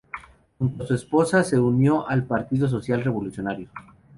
Junto a su esposa se unió al Partido Social-Revolucionario.